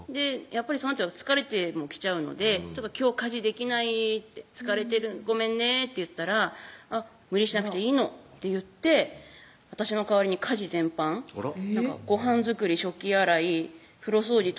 そのあと疲れてもきちゃうので「今日家事できない」って「疲れてるごめんね」って言ったら「無理しなくていいの」って言って私の代わりに家事全般ごはん作り・食器洗い・風呂掃除・